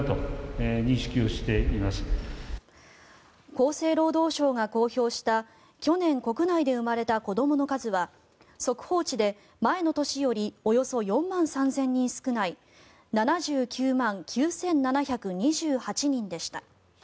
厚生労働省が公表した去年国内で生まれた子どもの数は速報値で、前の年よりおよそ４万３０００人少ない７９万９７２８人でした。